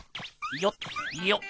よっよっ。